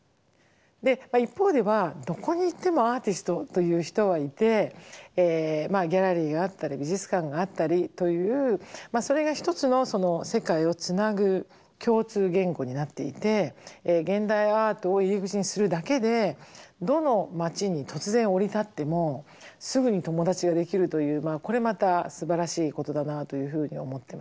一方ではどこに行ってもアーティストという人はいてギャラリーがあったり美術館があったりというそれが一つの世界をつなぐ共通言語になっていて現代アートを入り口にするだけでどの町に突然降り立ってもすぐに友達ができるというこれまたすばらしいことだなというふうに思ってます。